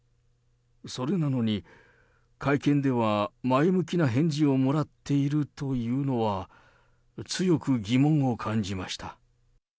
それなのに、会見では、前向きな返事をもらっていると言うのは、強く疑問を感じました。